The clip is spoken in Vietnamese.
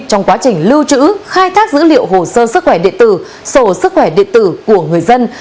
trong quá trình lưu trữ khai thác dữ liệu hồ sơ sức khỏe điện tử sổ sức khỏe điện tử của người dân